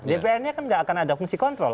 dpr ini kan gak akan ada fungsi kontrol